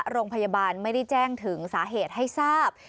โรงพยาบาลไม่ได้แจ้งถึงสาเหตุให้ทราบ